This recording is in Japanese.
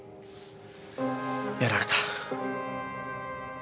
やられた。